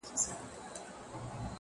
په کاروان کي سو روان د هوښیارانو،